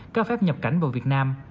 cao phép nhập cảnh vào việt nam